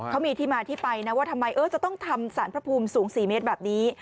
เขามีที่มาที่ไปนะว่าทำไมจะต้องทำสารพระภูมิสูง๔เมตรแบบนี้